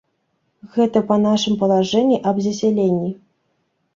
Гэта па нашым палажэнні аб засяленні.